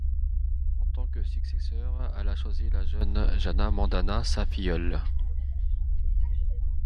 En tant que successeur, elle a choisi la jeune Jana Mandana, sa filleule.